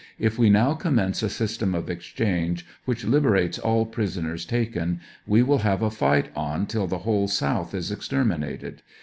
If we now commence a system of exchange which liberates all pris oners taken, w^e will have to fight on till the whole South is extermi nated.